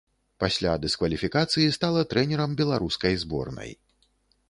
Пасля дыскваліфікацыі стала трэнерам беларускай зборнай.